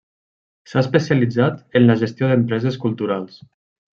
S'ha especialitzat en la gestió d'empreses culturals.